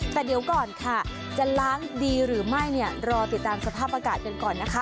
แต่เดี๋ยวก่อนค่ะจะล้างดีหรือไม่เนี่ยรอติดตามสภาพอากาศกันก่อนนะคะ